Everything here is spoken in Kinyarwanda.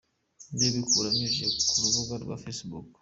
Bebe Cool abinyujije ku rubuga rwa facebook.